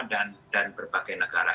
dan berbagai negara